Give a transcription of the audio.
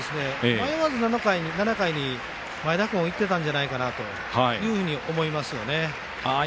迷わず７回に前田君いってたんじゃないかなと思いますよね。